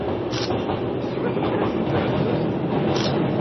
Ḥesbet lebṛuǧ n tiɛessast.